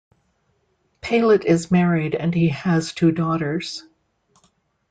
Paillet is married and he has two daughters.